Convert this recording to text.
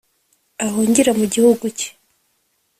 ahungire mu gihugu cye.